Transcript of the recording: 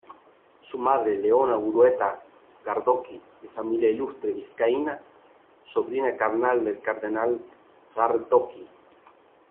Su madre, Leona Orueta Gardoqui, de familia ilustre vizcaína, sobrina carnal del cardenal Gardoqui.